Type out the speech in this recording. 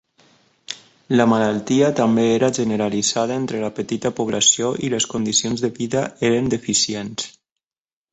La malaltia també era generalitzada entre la petita població i les condicions de vida eren deficients.